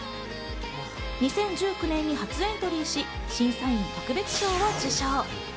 ２０１９年に初エントリーし、審査員特別賞を受賞。